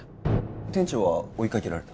店長は追いかけられた？